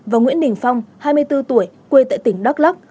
và nguyễn đình phong hai mươi bốn tuổi quê tại tỉnh đắk lắc